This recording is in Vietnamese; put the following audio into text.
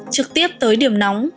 trực tiếp tới điểm nóng